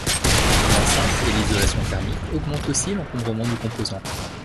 L'enceinte et l'isolation thermique augmentent aussi l'encombrement du composant.